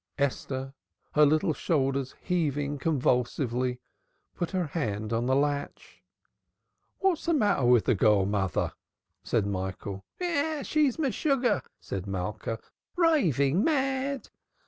Esther, her little shoulders heaving convulsively, put her hand on the latch. "What's the matter with the girl, mother?" said Michael. "She's meshugga!" said Malka. "Raving mad!"